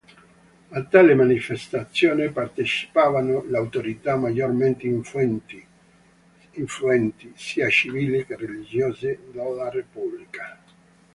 A tale manifestazione, partecipavano le autorità maggiormente influenti, sia civili che religiose, della repubblica.